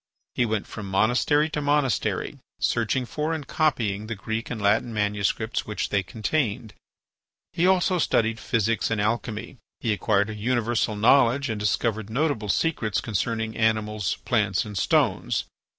He went from monastery to monastery, searching for and copying the Greek and Latin manuscripts which they contained. He also studied physics and alchemy. He acquired a universal knowledge and discovered notable secrets concerning animals, plants, and stones.